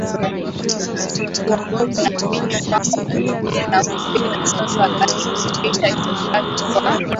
wa kumi na mbili mwaka elfu mbili na kumi na saba ulimrudisha Kibaki kwa